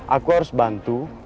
aku harus bantu